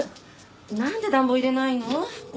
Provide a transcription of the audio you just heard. なんで暖房入れないの？